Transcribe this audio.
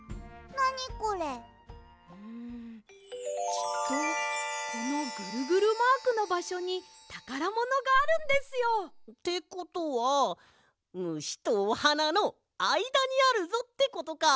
きっとこのぐるぐるマークのばしょにたからものがあるんですよ！ってことは「むし」と「おはな」のあいだにあるぞってことか！